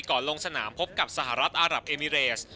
ลงสนามพบกับสหรัฐอารับเอมิเรส